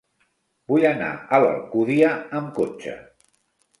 Vull anar a l'Alcúdia amb cotxe.